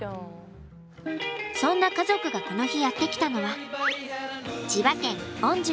そんな家族がこの日やって来たのは千葉県御宿。